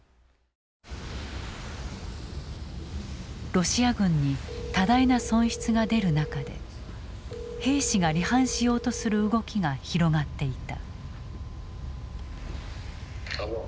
ロシア軍に多大な損失が出る中で兵士が離反しようとする動きが広がっていた。